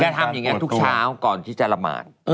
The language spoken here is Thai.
ทำอย่างนี้ทุกเช้าก่อนที่จะละหมาด